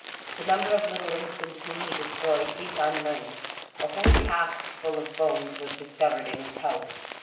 The number of little innocents whom he destroyed is unknown. A whole cask full of bones was discovered in his house.